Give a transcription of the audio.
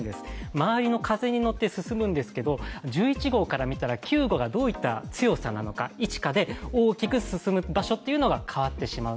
周りの風に乗って進むんですけど１１号から見たら、９号がどういった強さ、位置かで大きく進む場所が変わってしまう。